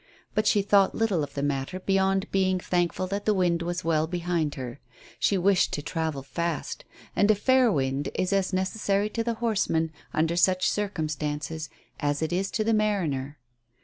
But she thought little of the matter beyond being thankful that the wind was well behind her, she wished to travel fast, and a "fair" wind is as necessary to the horseman, under such circumstances, as it is to the mariner.